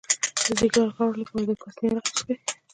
د ځیګر د غوړ لپاره د کاسني عرق وڅښئ